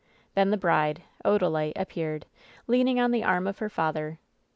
Then the bride, Odalite, ap peared leaning on the arm of Tier father.